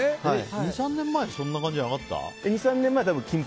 ２３年前そんな感じじゃなかった？